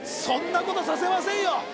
そんなことさせませんよ